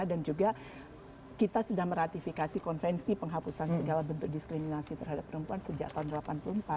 dan juga kita sudah meratifikasi konvensi penghapusan segala bentuk diskriminasi terhadap perempuan sejak tahun seribu sembilan ratus delapan puluh empat